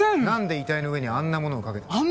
何で遺体の上にあんなものをかけた？